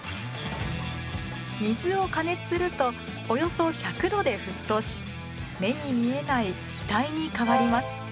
水を加熱するとおよそ１００度で沸騰し目に見えない気体に変わります。